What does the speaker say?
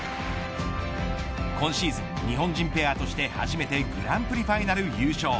今シーズン日本人ペアとして初めてグランプリファイナル優勝